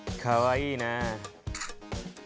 かわいいね。